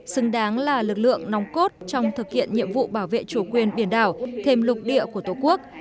xứng đáng là lực lượng nóng cốt trong thực hiện nhiệm vụ bảo vệ chủ quyền biển đảo thêm lục địa của tổ quốc